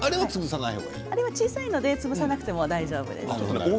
あれは小さいので潰さなくて大丈夫です。